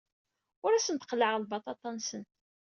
Ur asen-d-qellɛeɣ lbaṭaṭa-nsen.